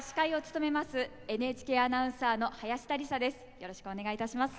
よろしくお願いします。